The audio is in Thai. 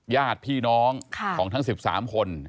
ญาติพี่น้องของทั้ง๑๓คน